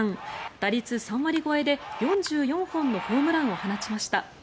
打率３割超えで４４本のホームランを放ちました。